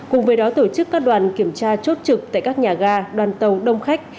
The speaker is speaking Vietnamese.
cùng với đó tổ chức các đoàn kiểm tra chốt trực tại các nhà ga đoàn tàu đông khách